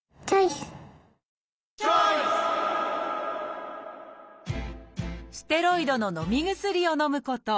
ステロイドののみ薬をのむこと。